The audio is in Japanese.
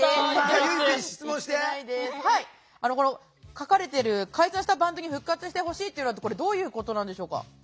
書かれてる「解散したバンドに復活してほしい」というのはどういうことなんでしょうか？